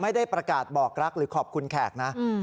ไม่ได้ประกาศบอกรักหรือขอบคุณแขกนะ